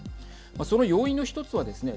その要因の１つはですね